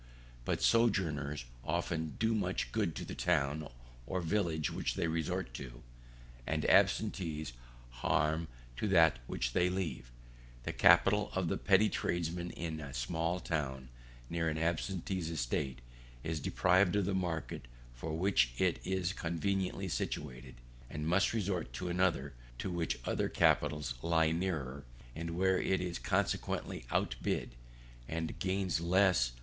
But sojourners often do much good to the town or village which they resort to, and absentees harm to that which they leave. The capital of the petty tradesman in a small town near an absentee's estate, is deprived of the market for which it is conveniently situated, and must resort to another to which other capitals lie nearer, and where it is consequently outbid, and gains less; obtaining only the same price, with greater expenses.